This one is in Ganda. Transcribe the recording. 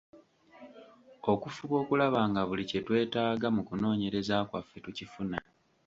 Okufuba okulaba nga buli kye twetaaga mu kunoonyereza kwaffe tukifuna.